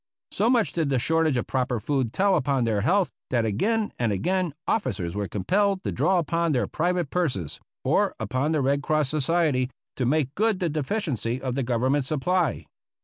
So much did the shortage of proper food tell upon their health that again and again officers were compelled to draw upon their private purses, or upon the Red Cross 271 APPENDIX B Society, to make good the deficiency of the Government supply.